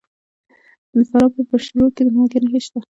د فراه په پشت رود کې د مالګې نښې شته.